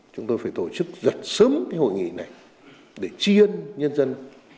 chúng tôi phải tổ chức rất sớm cái hội nghị này để tri ân nhân dân